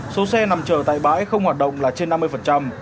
số xe nằm chờ tại bãi không hoạt động là trên năm mươi